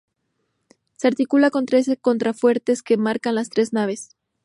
Se articula con tres contrafuertes que enmarcan las tres naves.